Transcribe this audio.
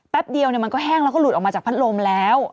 เดียวมันก็แห้งแล้วก็หลุดออกมาจากพัดลมแล้ว